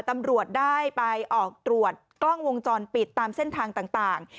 ตำรวจได้ไปออกตรวจกล้องวงจรปิดตามเส้นทางต่าง